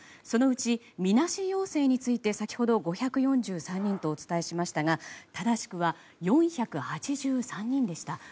そのうち、みなし陽性について先ほど５４３人とお伝えしましたが正しくは４８３人でした。